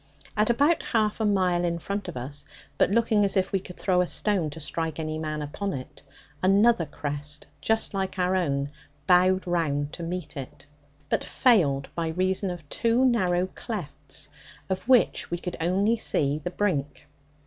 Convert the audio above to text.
At about half a mile in front of us, but looking as if we could throw a stone to strike any man upon it, another crest just like our own bowed around to meet it; but failed by reason of two narrow clefts of which we could only see the brink.